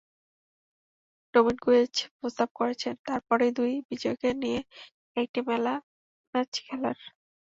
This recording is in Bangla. ডমিনগুয়েজ প্রস্তাব করেছেন, তার পরেই দুই বিজয়ীকে নিয়ে একটি ম্যাচ খেলার।